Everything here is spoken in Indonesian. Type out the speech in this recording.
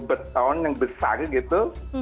beton yang besar gitu